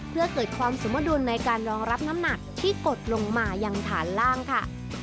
เพื่อเกิดความสมดุลในการรองรับน้ำหนักที่กดลงมายังฐานล่างค่ะ